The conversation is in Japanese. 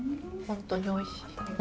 本当においしい。